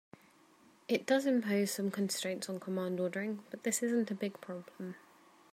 It does impose some constraints on command ordering, but this isn't a big problem.